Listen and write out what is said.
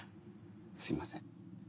すいません。